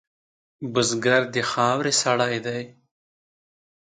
بزګر د خاورې سړی دی